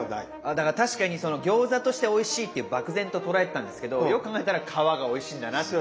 だから確かにその餃子としておいしいっていう漠然と捉えてたんですけどよく考えたら皮がおいしいんだなって。